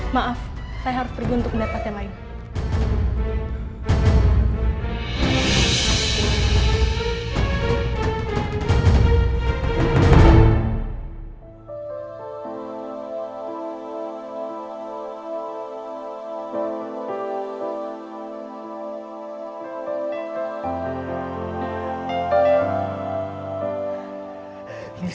maaf saya harus pergi untuk melihat pasien lain